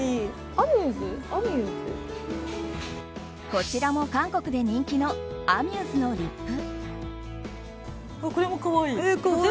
こちらも韓国で人気のＡＭＵＳＥのリップ。